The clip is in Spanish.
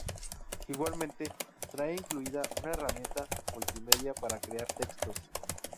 Igualmente trae incluida una herramienta multimedia para crear textos.